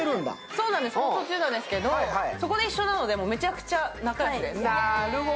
そうなんです、放送なんですけど、そこで一緒なのでめちゃくちゃ仲良しです。